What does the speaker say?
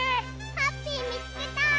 ハッピーみつけた！